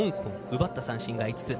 奪った三振は５つ。